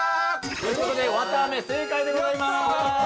◆ということで、わたあめ、正解でございます。